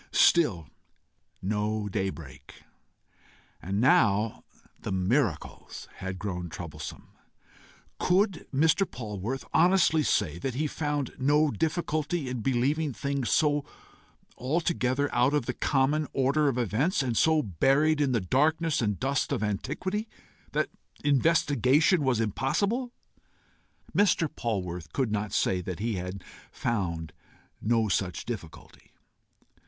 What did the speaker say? Still no daybreak and now the miracles had grown troublesome! Could Mr. Polwarth honestly say that he found no difficulty in believing things so altogether out of the common order of events, and so buried in the darkness and dust of antiquity that investigation was impossible? Mr. Polwarth could not say that he had found no such difficulty.